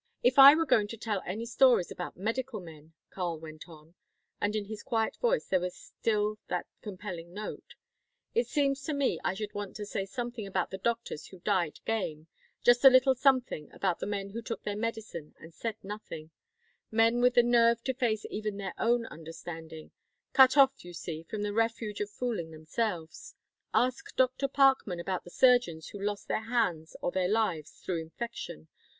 "If I were going to tell any stories about medical men," Karl went on, and in his quiet voice there was still that compelling note, "it seems to me I should want to say something about the doctors who died game just a little something about the men who took their medicine and said nothing; men with the nerve to face even their own understanding cut off, you see, from the refuge of fooling themselves. Ask Dr. Parkman about the surgeons who lost their hands or their lives through infection.